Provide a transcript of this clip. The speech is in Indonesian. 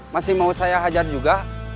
masih mau saya hajar juga